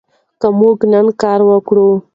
که موږ نن کار وکړو.